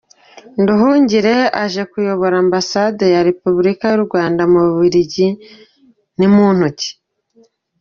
Nduhungirehe uje kuyobora Ambasade ya Repubulika y’ u Rwanda mu bubiligi ni muntu ki?.